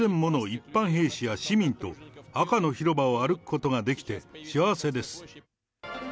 一般兵士や市民と、赤の広場を歩くことができて幸せです。